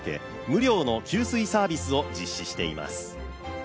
無料の給水サービスを実施しています。